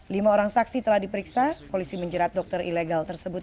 lima orang saksi telah diperiksa polisi menjerat dokter ilegal tersebut